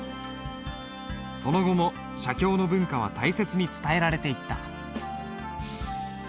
その後も写経の文化は大切に伝えられていった。